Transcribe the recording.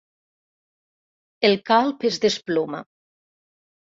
El calb es desploma.